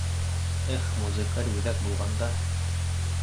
— Эх, музыкаль үҙәк булғанда!..